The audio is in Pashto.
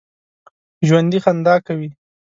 ژوندي خندا کوي